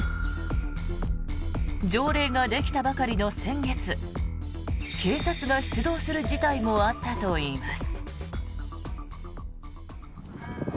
条例ができたばかりの先月警察が出動する事態もあったといいます。